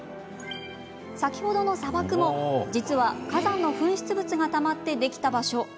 先ほどの砂漠も実は、火山の噴出物がたまってできた場所。